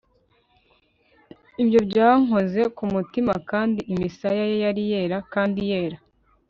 Ibyo byankoze ku mutima kandi imisaya ye yari yera kandi yera